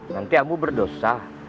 nanti amu berdosa